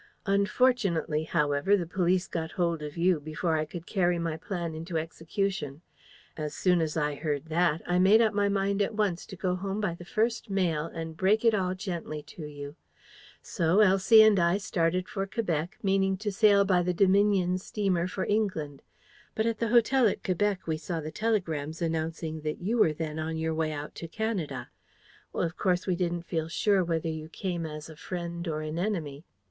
"Unfortunately, however, the police got hold of YOU before I could carry my plan into execution. As soon as I heard that, I made up my mind at once to go home by the first mail and break it all gently to you. So Elsie and I started for Quebec, meaning to sail by the Dominion steamer for England. But at the hotel at Quebec we saw the telegrams announcing that you were then on your way out to Canada. Well, of course we didn't feel sure whether you came as a friend or an enemy.